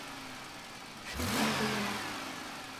ليس لديَ مال.